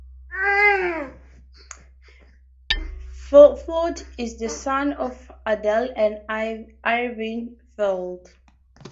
Feld is the son of Adele and Irvin Feld.